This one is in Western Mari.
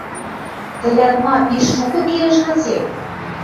– Тӹлӓт ма, пиш шукы келеш гыце?